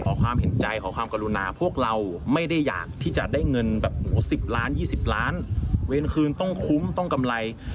ความเห็นใจขอความกรุณาพวกเราไม่ได้อยากที่จะได้เงินแบบ๑๐ล้าน๒๐ล้านเวรคืนต้องคุ้มต้องกำไร